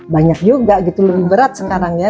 banyak juga gitu lebih berat sekarang ya